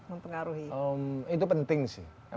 mempengaruhi itu penting sih